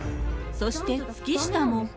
そして月下も。